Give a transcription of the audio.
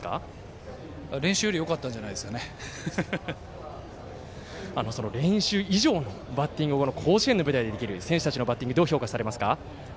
練習より練習以上のバッティングを甲子園の舞台でできる選手たちのバッティングをどう評価されますか？